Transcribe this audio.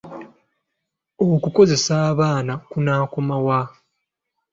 Okukozesa abaana kunaakoma wa?